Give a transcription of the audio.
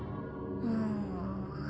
うん。